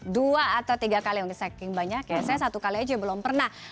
dua atau tiga kali saya satu kali aja belum pernah